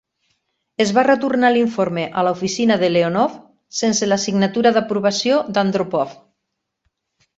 Es va retornar l'informe a la oficina de Leonov, sense la signatura d'aprovació d'Andropov.